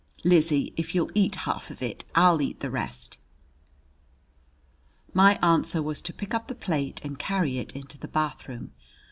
"Lizzie, if you'll eat half of it, I'll eat the rest." My answer was to pick up the plate and carry it into the bathroom.